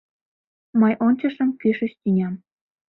Мый ончышым кӱшыч тӱням.